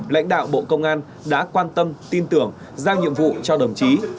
lãnh đạo bộ công an đã quan tâm tin tưởng giao nhiệm vụ cho đồng chí